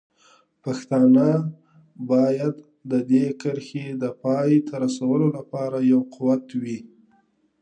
پښتانه باید د دې کرښې د پای ته رسولو لپاره یو قوت وي.